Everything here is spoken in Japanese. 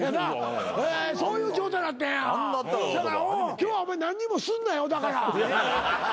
今日は何にもすんなよだから。